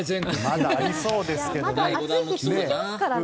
まだ暑い日続きますからね。